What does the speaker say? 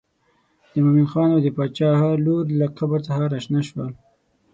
د مومن خان او د باچا لور له قبر څخه راشنه شول.